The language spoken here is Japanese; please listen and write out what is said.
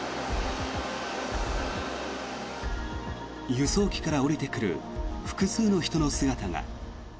輸送機から降りてくる複数の人の姿が。